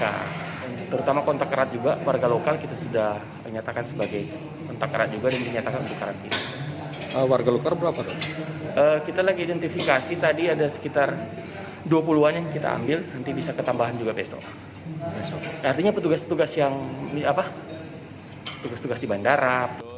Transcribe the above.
artinya petugas petugas yang apa petugas petugas di bandara